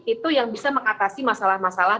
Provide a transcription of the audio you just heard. itu yang bisa mengatasi masalah masalah